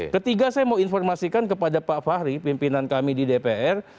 ketiga saya mau informasikan kepada pak fahri pimpinan kami di dpr